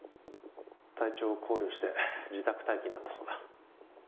体調を考慮して自宅待機になったそうだ